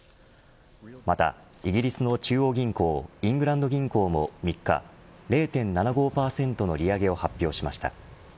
またイギリスの中央銀行イングランド銀行も３日０．７５％の利上げを発表しました。